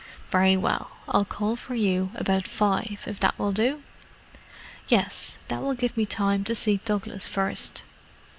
Very well—I'll call for you about five, if that will do." "Yes; that will give me time to see Douglas first."